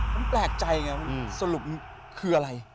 ผมแปลกใจไงสรุปคืออะไร